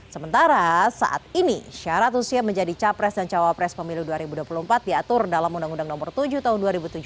sementara saat ini syarat usia menjadi capres dan cawapres pemilu dua ribu dua puluh empat diatur dalam undang undang nomor tujuh tahun dua ribu tujuh belas